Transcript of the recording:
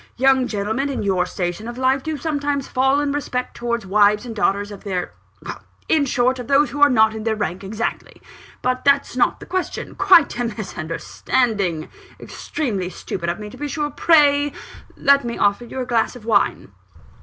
Young gentlemen in your station of life do sometimes fail in respect towards the wives and daughters of their in short, of those who are not in their rank exactly. But that's not the question quite a misunderstanding extremely stupid of me, to be sure. Pray let me offer you a glass of wine!"